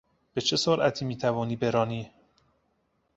به چه سرعتی میتوانی برانی؟